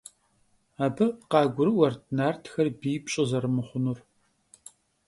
Абы къагурыӀуэрт нартхэр бий пщӀы зэрымыхъунур.